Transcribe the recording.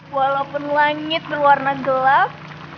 walaupun langit berwarna gelap